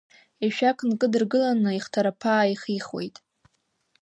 Ишәақь нкыдыргыланы ихҭарԥа ааихихуеит.